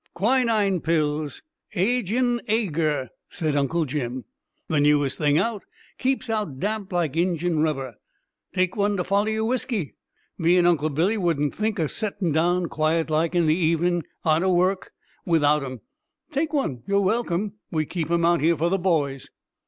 "Quinine pills agin ager," said Uncle Jim. "The newest thing out. Keeps out damp like Injin rubber! Take one to follow yer whiskey. Me and Uncle Billy wouldn't think o' settin' down, quiet like, in the evening arter work, without 'em. Take one ye'r welcome! We keep 'em out here for the boys."